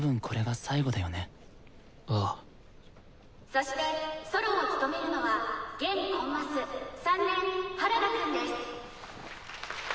そしてソロを務めるのは現コンマス３年原田くんです。